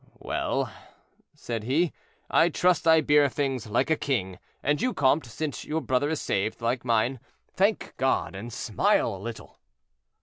"Well," said he, "I trust I bear things like a king; and you, comte, since your brother is saved, like mine, thank God, and smile a little."